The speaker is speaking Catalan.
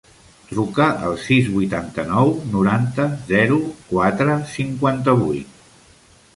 Truca al sis, vuitanta-nou, noranta, zero, quatre, cinquanta-vuit.